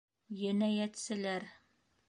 Енәйәтселәр.